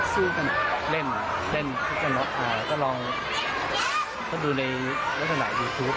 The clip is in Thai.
สู้กันเล่นเล่นก็ลองก็ดูในลักษณะยูทูป